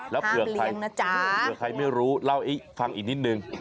ห้ามเลี้ยงนะจ๊ะแล้วเผื่อใครไม่รู้เล่าอีกฟังอีกนิดนึง